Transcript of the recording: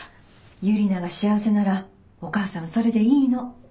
ユリナが幸せならお母さんはそれでいいの。